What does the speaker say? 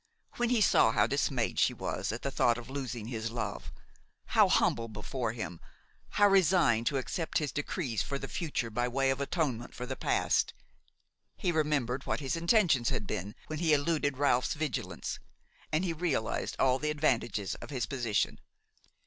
When he saw how dismayed she was at the thought of losing his love–how humble before him, how resigned to accept his decrees for the future by way of atonement for the past–he remembered what his intentions had been when he eluded Ralph's vigilance, and he realized all the advantages of his position.